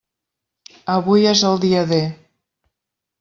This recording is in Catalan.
Avui és el dia D.